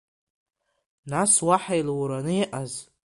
Нас уаҳа илураны иҟааз?